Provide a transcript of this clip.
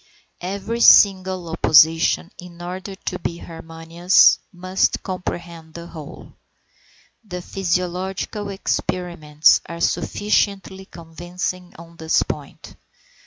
Every single opposition in order to be harmonious must comprehend the whole. The physiological experiments are sufficiently convincing on this point.